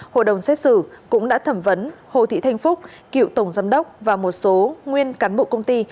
hội đồng xét xử cũng đã thẩm vấn hồ thị thanh phúc cựu tổng giám đốc và một số nguyên cán bộ công ty